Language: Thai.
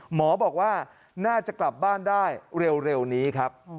หมอบอกว่าน่าจะกลับบ้านได้เร็วนี้ครับ